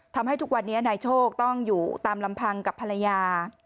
ทุกวันนี้นายโชคต้องอยู่ตามลำพังกับภรรยา